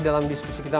dalam diskusi kita